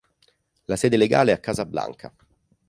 La sede legale è a Casablanca.